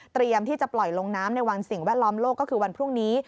ที่จะปล่อยลงน้ำในวันสิ่งแวดล้อมโลกก็คือวันพรุ่งนี้